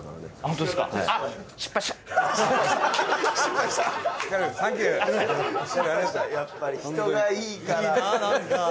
二階堂：やっぱり人がいいから。